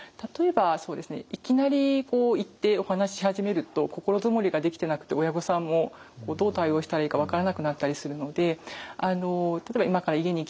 いきなり行ってお話し始めると心づもりができてなくて親御さんもどう対応したらいいか分からなくなったりするので例えば「今から家に行きたいんだけどもいい？